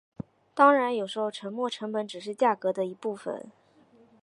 当然有时候沉没成本只是价格的一部分。